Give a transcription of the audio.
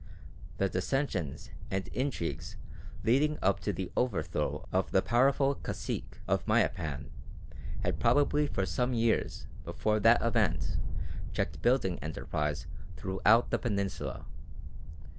The dissensions and intrigues leading up to the overthrow of the powerful cacique of Mayapan had probably for some years before that event checked building enterprise throughout the Peninsula.